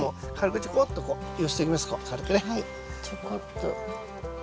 ちょこっと。